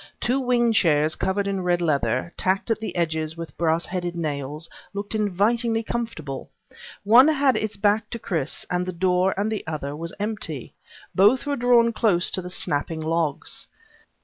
Two wing chairs covered in red leather, tacked at the edges with brassheaded nails, looked invitingly comfortable. One had its back to Chris and the door, and the other was empty. Both were drawn close to the snapping logs.